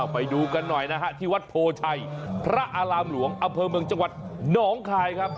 ไปดูกันหน่อยนะฮะที่วัดโพชัยพระอารามหลวงอำเภอเมืองจังหวัดหนองคายครับ